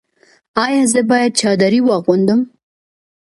ایا زه باید چادري واغوندم؟